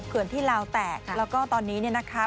เขื่อนที่ลาวแตกแล้วก็ตอนนี้นะครับ